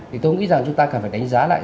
thì tôi nghĩ rằng chúng ta cần phải đánh giá lại